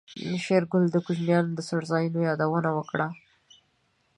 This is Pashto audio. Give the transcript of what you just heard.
شېرګل د کوچيانو د څړځايونو يادونه وکړه.